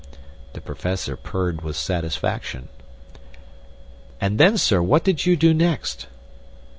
The Professor purred with satisfaction. "And then, sir, what did you do next?"